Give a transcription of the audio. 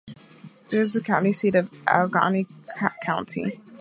It is the county seat of Alleghany County.